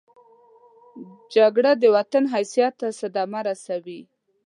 جګړه د وطن حیثیت ته صدمه رسوي